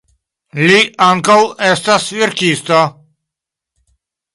Li ankaŭ estas verkisto.